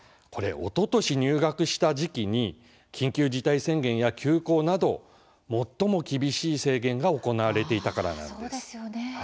おととし入学した時期に緊急事態宣言や休校など最も厳しい制限が行われていたからなんです。